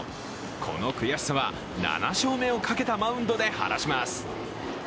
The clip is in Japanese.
この悔しさは、７勝目をかけたマウンドではらします。